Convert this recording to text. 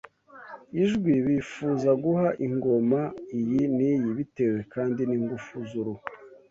ijwi bifuza guha ingoma iyi n’iyi bitewe kandi n’ingufu z’uruhu